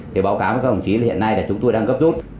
thì báo cáo với các ổng chí là hiện nay là chúng tôi đang cấp rút